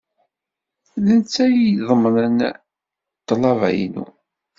D netta ay iḍemnen ḍḍlaba-inu.